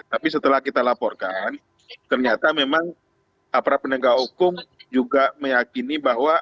tapi setelah kita laporkan ternyata memang aparat penegak hukum juga meyakini bahwa